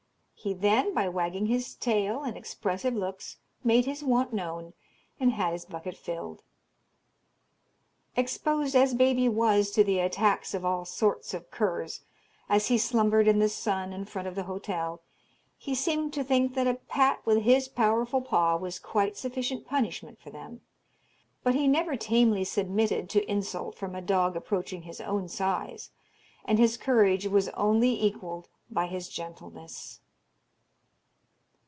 He then, by wagging his tail and expressive looks, made his want known, and had his bucket filled. Exposed as Baby was to the attacks of all sorts of curs, as he slumbered in the sun in front of the hotel, he seemed to think that a pat with his powerful paw was quite sufficient punishment for them, but he never tamely submitted to insult from a dog approaching his own size, and his courage was only equalled by his gentleness.